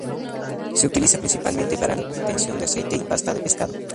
Se utiliza principalmente para la obtención de aceite y pasta de pescado